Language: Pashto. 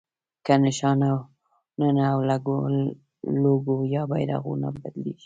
که نښانونه او لوګو یا بیرغونه بدلېږي.